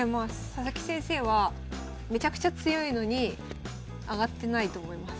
佐々木先生はめちゃくちゃ強いのに上がってないと思います。